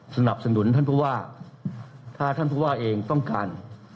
สนับสนุนท่านผู้ว่าถ้าท่านผู้ว่าเองต้องการ